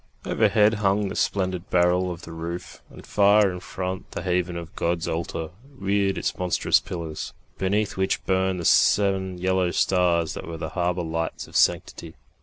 Overhead hung the splendid barrel of the roof, and far in front the haven of God's altar reared its monstrous pillars, beneath which burned the seven yellow stars that were the harbour lights of sanctity.